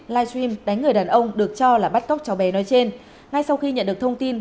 livestream đánh người đàn ông được cho là bắt cóc cháu bé nói trên ngay sau khi nhận được thông tin